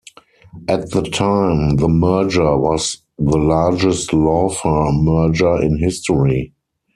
At the time, the merger was the largest law firm merger in history.